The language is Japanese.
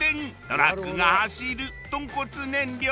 トラックが走るとんこつ燃料。